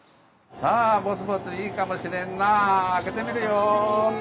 さあぼつぼついいかもしれんなあ開けてみるよ。